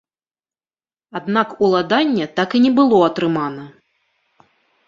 Аднак уладанне так і не было атрымана.